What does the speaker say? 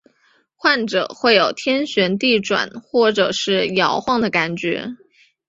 患者会有天旋地转或是摇晃的感觉。